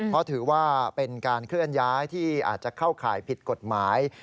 เพราะถือว่าเป็นการเคลื่อนย้ายที่อาจจะเข้าข่ายผิดกฎหมาย